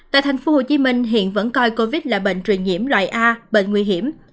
tại thành phố hồ chí minh hiện vẫn coi covid là bệnh truyền nhiễm loại a bệnh nguy hiểm